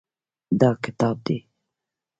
دا کتاب دی.